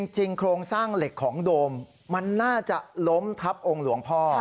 โครงสร้างเหล็กของโดมมันน่าจะล้มทับองค์หลวงพ่อ